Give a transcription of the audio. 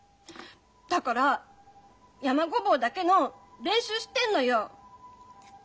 だからやまごぼうだけの練習してんのよ！